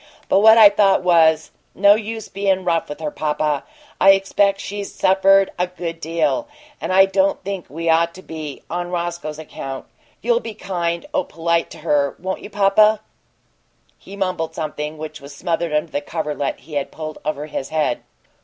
But what I thought was, no use bein' rough with her, papa I expect she's suffered a good deal and I don't think we'd ought to be, on Roscoe's account. You'll you'll be kind o' polite to her, won't you, papa?" He mumbled something which was smothered under the coverlet he had pulled over his head.